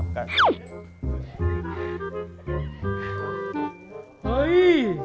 ไม่มี